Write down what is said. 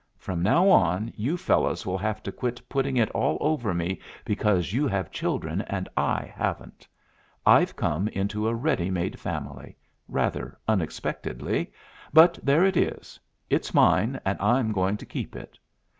"From now on you fellows will have to quit putting it all over me because you have children, and I haven't. I've come into a ready made family rather unexpectedly, but there it is. It's mine, and I'm going to keep it.